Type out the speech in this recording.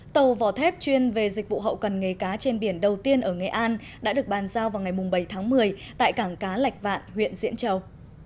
tàu vỏ thép chuyên về dịch vụ hậu cần nghề cá trên biển đầu tiên ở nghệ an đã được bàn giao vào ngày bảy tháng một mươi tại cảng cá lạch vạn huyện diễn châu